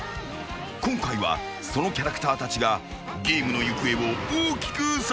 ［今回はそのキャラクターたちがゲームの行方を大きく左右する］